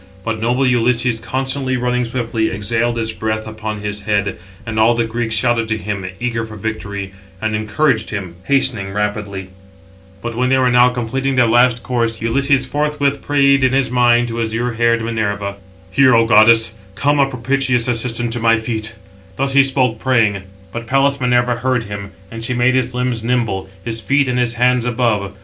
But noble Ulysses, constantly running swiftly, exhaled his breath upon his head; and all the Greeks shouted to him, eager for victory, and encouraged him, hastening rapidly. But when they were now completing their last course, Ulysses forthwith prayed in his mind to azure eyed Minerva: Footnote 771: (return) See Kennedy, and on the race of the δίαυλος, Smith's Dict. of Antiquities. "Hear, O goddess, come a propitious assistant to my feet." Thus he spoke, praying; but Pallas Minerva heard him; and she made his limbs nimble, his feet and his hands above.